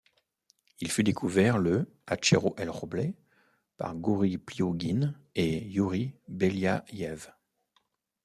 Il fut découvert le à Cerro El Roble par Gouri Pliouguine et Iouri Beliaïev.